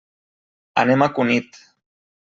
Anem a Cunit.